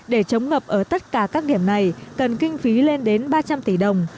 để chống ngập ở tất cả các điểm này cần kinh phí lên đến ba trăm linh tỷ đồng